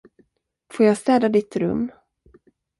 Får jag städa ditt rum?